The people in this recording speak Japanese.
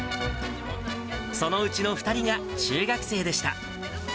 そのうちの２人が中学生でした。